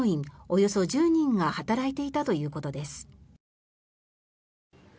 およそ１０人が働いていたということです。